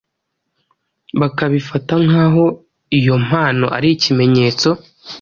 bakabifata nk’aho iyo mpano ari ikimenyesto